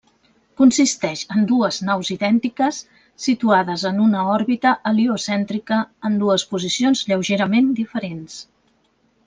Consisteix en dues naus idèntiques situades en una òrbita heliocèntrica en dues posicions lleugerament diferents.